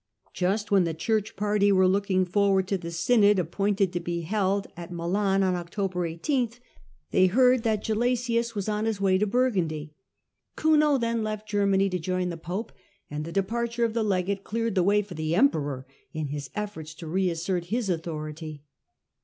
Just when the Church party were looking forward to the synod appointed to be held at Digitized by VjOOQIC 70H HiLsDEBRAND Milan on October 18, tbey heard that Gelasius was on his way to Burgundy. Kuno then left Germany to join the pope, and the departure of the legate cleared the way for the emperor in his efforts to reassert his own authority.